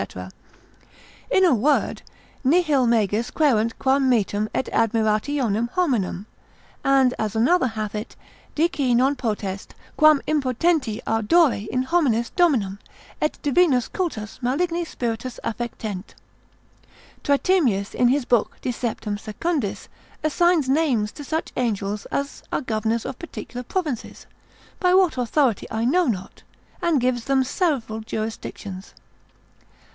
In a word, Nihil magis quaerunt quam metum et admirationem hominum; and as another hath it, Dici non potest, quam impotenti ardore in homines dominium, et Divinos cultus maligni spiritus affectent. Tritemius in his book de septem secundis, assigns names to such angels as are governors of particular provinces, by what authority I know not, and gives them several jurisdictions.